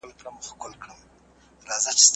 څنګه د منفي برخورد مخنيوی کيدای سي؟